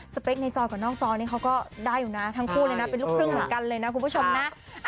เป๊กในจอกับนอกจอนี้เขาก็ได้อยู่นะทั้งคู่เลยนะเป็นลูกครึ่งเหมือนกันเลยนะคุณผู้ชมนะ